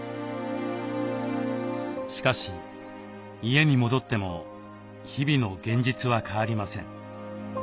しかし家に戻っても日々の現実は変わりません。